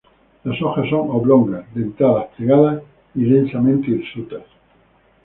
Las hojas son oblongas, dentadas, plegadas y densamente hirsutas.